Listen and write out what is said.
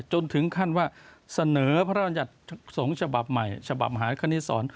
จนถึงขั้นว่าเสนอพระราชบัญญัติสงฆ์ฉบับใหม่ฉบับมหาคณิตศร